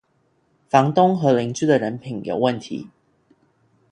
房东和邻居的人品有问题